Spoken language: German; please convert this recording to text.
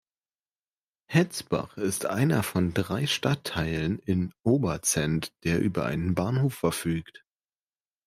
Hetzbach ist einer von drei Stadtteilen in Oberzent, der über einen Bahnhof verfügt.